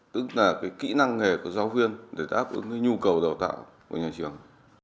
tức là kỹ năng nghề của giáo viên để đáp ứng cái nhu cầu đào tạo của nhà trường